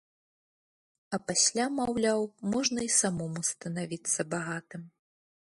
А пасля, маўляў, можна і самому станавіцца багатым.